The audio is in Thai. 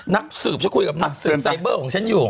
นักสืบฉันคุยกับนักสืบไซเบอร์ของฉันอยู่